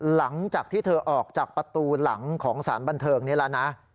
หลังจากที่เธอออกจากประตูหลังของสารบันเทิงนี้แล้วนะ